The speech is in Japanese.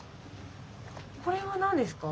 これは何ですか？